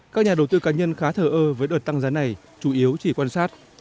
các nhà đầu tư cá nhân khá thờ ơ với đợt tăng giá này chủ yếu chỉ quan sát